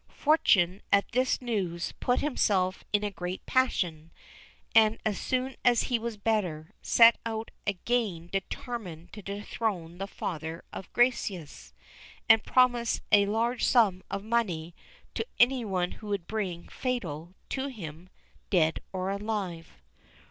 Fortuné at this news put himself in a great passion, and as soon as he was better, set out again determined to dethrone the father of Gracieuse, and promised a large sum of money to any one who would bring Fatal to him dead or alive.